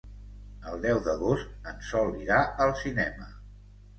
El deu d'agost en Sol irà al cinema.